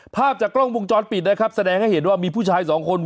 ภาพจากกล้องวงจรปิดนะครับแสดงให้เห็นว่ามีผู้ชายสองคน